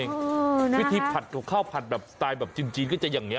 เออนะครับวิธีผัดของข้าวผัดแบบสไตล์แบบจีนจีนก็จะอย่างเงี้ย